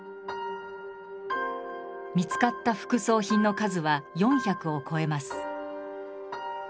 見つかった副葬品の数は４００を超えます。